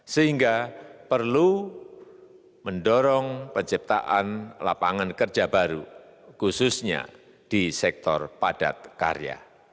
sehingga perlu mendorong penciptaan lapangan kerja baru khususnya di sektor padat karya